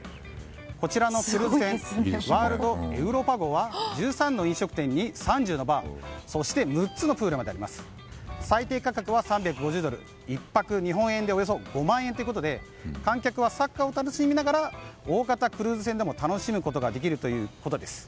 こちらのクルーズ船「ワールドエウローパ号」は１３の飲食店に３０のバーそして６つのプールまであって最低価格は３５０ドル１泊、日本円でおよそ５万円ということで観客はサッカーを楽しみながら大型クルーズ船でも楽しむことができるということです。